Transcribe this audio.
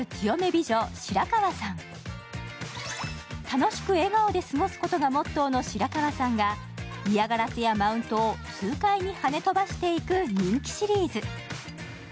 楽しく笑顔で過ごすことがモットーの白川さんが嫌がらせやマウントを痛快にはね飛ばしていく人気シリーズ。